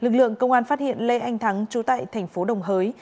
lực lượng công an phát hiện lê anh thắng trú tại thành phố đồng hới